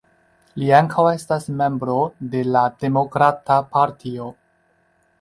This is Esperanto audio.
Li ankaŭ estas membro de la Demokrata Partio.